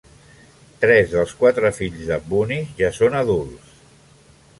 Tres dels quatre fills de Bunny ja són adults.